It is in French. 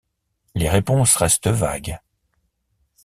Les réponses restent vagues.